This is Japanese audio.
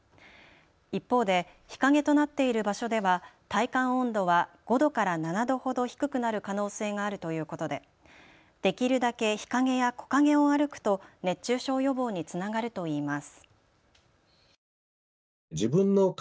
一方で日陰となっている場所では体感温度は５度から７度ほど低くなる可能性があるということでできるだけ日陰や木陰を歩くと熱中症予防につながるといいます。